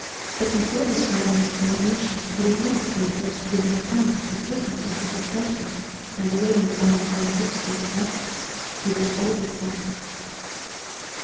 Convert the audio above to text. But before describing this coronation it is necessary first to give an account of the circumstances which led to it, by relating the melancholy history of Alexis, Peter's oldest son.